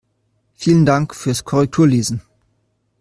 Vielen Dank fürs Korrekturlesen!